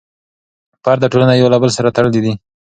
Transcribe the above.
فرد او ټولنه یو له بل سره تړلي دي.